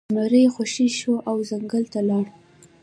زمری خوشې شو او ځنګل ته لاړ.